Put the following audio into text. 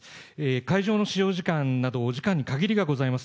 会場の使用時間など、お時間に限りがございます。